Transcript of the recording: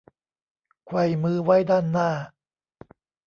ไขว้มือไว้ด้านหน้า